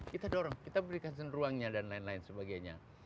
kita dorong kita berikan ruangnya dan lain lain sebagainya